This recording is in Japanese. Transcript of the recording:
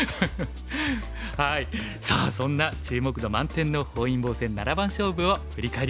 さあそんな注目度満点の本因坊戦七番勝負を振り返ります。